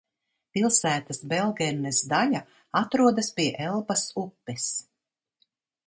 Pilsētas Belgernes daļa atrodas pie Elbas upes.